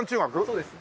そうです。